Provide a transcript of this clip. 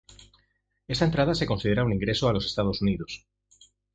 Esta entrada se considera un ingreso a los Estados Unidos.